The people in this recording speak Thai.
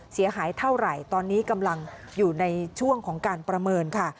เสียหายเท่าไหร่ตอนนี้กำลังอยู่ในช่วงของการประเมินค่ะ